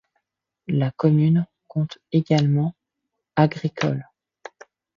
La commune compte également agricoles.